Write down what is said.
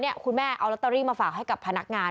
นี่คุณแม่เอาลอตเตอรี่มาฝากให้กับพนักงาน